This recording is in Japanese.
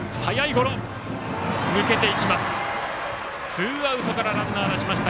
ツーアウトからランナーを出しました。